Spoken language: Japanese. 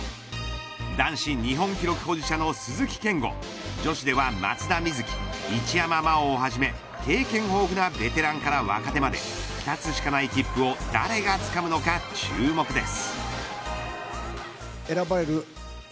男子日本記録保持者の鈴木健吾女子では松田瑞生一山麻緒をはじめ経験豊富なベテランから若手まで２つしかない切符を誰がつかむのか注目です。